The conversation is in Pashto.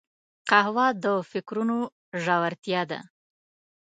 قهوه د فکرونو ژورتیا ده